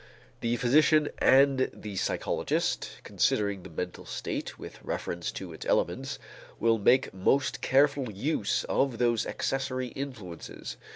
The physician and the psychologist, considering the mental state with reference to its elements, will make most careful use of those accessory influences.